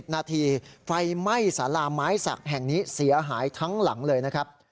นาทีไฟไหม้สาราไม้สักแห่งนี้เสียหายทั้งหลังเลยนะครับ